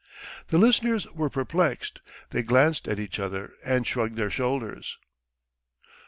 The listeners were perplexed; they glanced at each other and shrugged their shoulders.